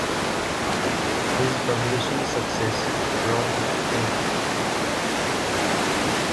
His publishing success brought him fame.